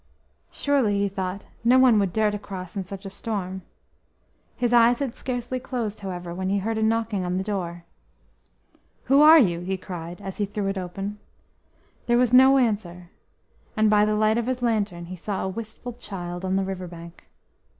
Surely, he thought, no one would dare to cross in such a storm. His eyes had scarcely closed, however, when he heard a knocking at the door. "HE PLACED THE BOY ON HIS SHOULDER" "Who are you?" he cried as he threw it open. There was no answer, and by the light of his lantern he saw a wistful child on the river bank.